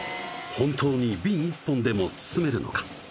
本当にビン１本でも包めるのか？